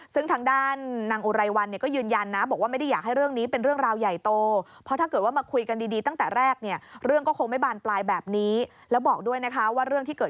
ซึ่งทางด้านนางอูไรวัลยืนยันนะ